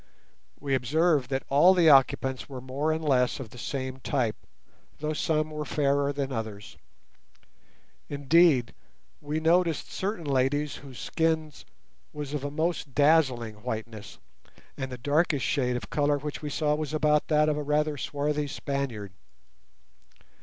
We observed that all the occupants were more or less of the same type, though some were fairer than others. Indeed, we noticed certain ladies whose skin was of a most dazzling whiteness; and the darkest shade of colour which we saw was about that of a rather swarthy Spaniard.